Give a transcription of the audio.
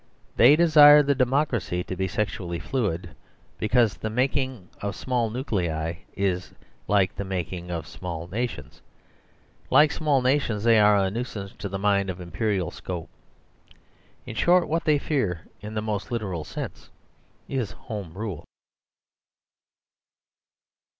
They desire the democracy to be sexually fluid, because the making of small nuclei is like the making of small na tions. Like small nations, they are a nuisance to the mind of imperial scope. In short, what they fear, in the most literal sense, is home rule.